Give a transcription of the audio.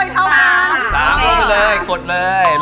สวยและยืนให้ใกล้